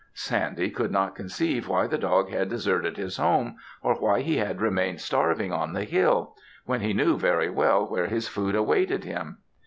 Sandy could not conceive why the dog had deserted his home, or why he had remained starving on the hill, when he knew very well where his food awaited him.